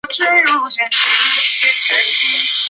相传古代有一个名叫薛谭的年轻人向秦青学习唱歌。